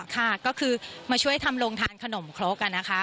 ค่ะก็คือมาช่วยทำโรงทานขนมครกอะนะคะ